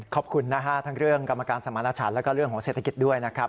ขอบคุณทั้งเรื่องกรรมการสมรรถชาติและเรื่องของเศรษฐกิจด้วยนะครับ